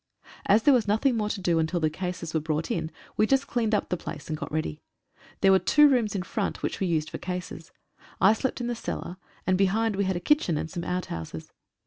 As there was nothing more to do until the cases were brought in, we just cleaned up the place and got ready. There were two rooms in front which we used for cases. I slept in the cellar, and behind we had a kitchen and some outhouses.